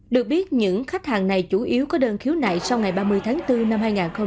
được biết những khách hàng này chủ yếu có đơn khiếu nại sau ngày ba mươi tháng bốn năm hai nghìn hai mươi